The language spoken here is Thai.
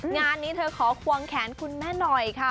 งานนี้เธอขอควงแขนคุณแม่หน่อยค่ะ